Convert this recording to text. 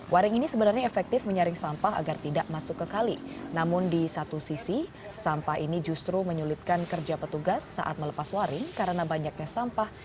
waring ini sebenarnya efektif menyaring sampah agar tidak masuk ke kali namun di satu sisi sampah ini justru menyulitkan kerja petugas saat melepas waring karena banyaknya sampah